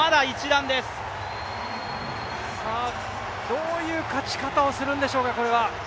どういう勝ち方をするんでしょうか、これは。